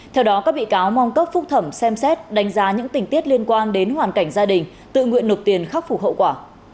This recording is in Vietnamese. theo đó các bị cáo mong cấp phúc thẩm xem xét đánh giá những tình tiết liên quan đến hoàn cảnh gia đình tự nguyện nộp tiền khắc phục hậu quả